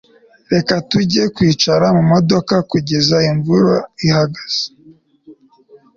Reka tujye kwicara mumodoka kugeza imvura ihagaze